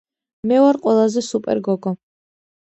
მე ვარ ყველაზე სუპერ გოგო